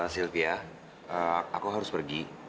sylvia aku harus pergi